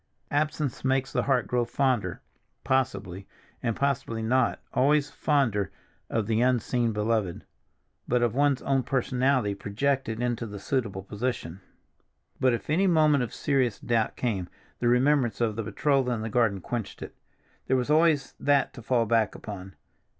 "Absence makes the heart grow fonder"—possibly, and possibly not always fonder of the unseen beloved, but of one's own personality, projected into the suitable position. But if any moment of serious doubt came, the remembrance of the betrothal in the garden quenched it. There was always that to fall back upon.